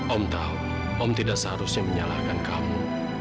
om tahu om tidak seharusnya menyalahkan kamu